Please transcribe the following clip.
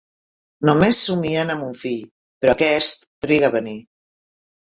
Només somien amb un fill, però aquest triga a venir.